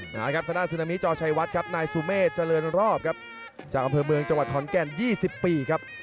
นะครับทางด้านซึนามิจอชัยวัดครับนายสุเมฆเจริญรอบครับจากอำเภอเมืองจังหวัดขอนแก่น๒๐ปีครับ